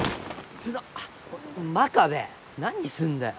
真壁何すんだよ。